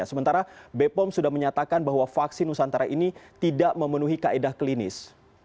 sementara bepom sudah menyatakan bahwa vaksin nusantara ini tidak memenuhi kaedah klinis